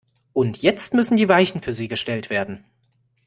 Und jetzt müssen die Weichen für sie gestellt werden.